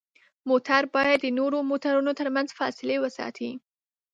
موټر باید د نورو موټرونو ترمنځ فاصلې وساتي.